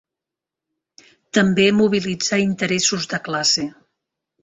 També mobilitzà interessos de classe.